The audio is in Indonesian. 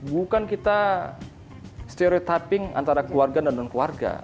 bukan kita stereotyping antara keluarga dan non keluarga